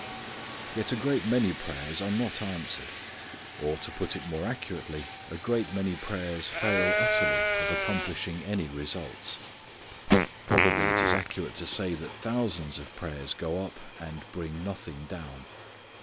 Yet a great many prayers are not answered. Or, to put it more accurately, a great many prayers fail utterly of accomplishing any results. Probably it is accurate to say that thousands of prayers go up and bring nothing down.